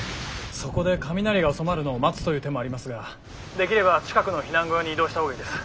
そこで雷が収まるのを待つという手もありますができれば近くの避難小屋に移動した方がいいです。